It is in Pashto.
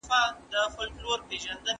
د لیکنې ترتیب باید معیاري وي.